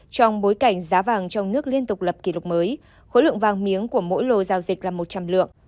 trong bối cảnh giá vàng trong nước liên tục lập kỷ lục mới khối lượng vàng miếng của mỗi lô giao dịch là một trăm linh lượng